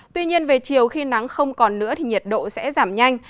tuy nhiên về chiều khi nắng không còn nữa thì nhiệt độ sẽ giảm nhanh